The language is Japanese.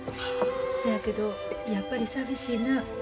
そやけどやっぱり寂しいな。